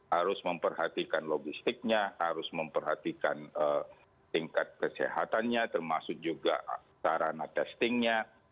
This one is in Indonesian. harus memperhatikan logistiknya harus memperhatikan tingkat kesehatannya termasuk juga sarana testingnya